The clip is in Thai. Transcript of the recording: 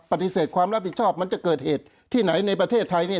ปฏิเสธความรับผิดชอบมันจะเกิดเหตุที่ไหนในประเทศไทยเนี่ย